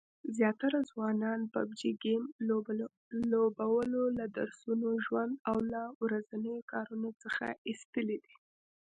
زیاتره ځوانان پابجي ګیم لوبولو له درسونو، ژوند او ورځنیو کارونو څخه ایستلي دي